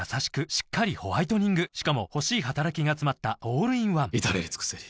しっかりホワイトニングしかも欲しい働きがつまったオールインワン至れり尽せり